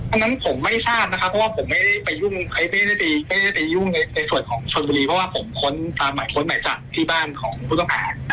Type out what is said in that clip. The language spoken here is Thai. เพราะฉะนั้นผมไม่ทราบนะคะเพราะว่าผมไม่ได้ไปยุ่งในส่วนของชนบุรีเพราะว่าผมค้นค้นหมายจักรที่บ้านของผู้ต้องการ